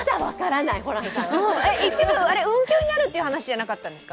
一部運休になるという話じゃなかったですか？